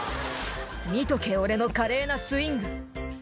「見とけ俺の華麗なスイング」